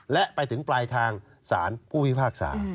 และไปถึงปลายทางสารผู้พิพากษา